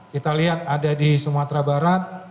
kita lihat ada di sumatera barat